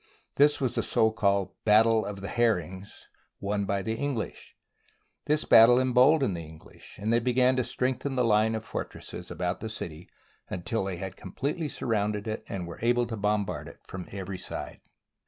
This was the so called " Battle of the Herrings," won by the English. This battle emboldened the English, and they be gan to strengthen the line of fortresses about the city until they had completely surrounded it and were able to bombard it from every side.